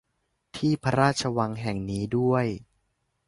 ที่พระราชวังแห่งนี้ด้วย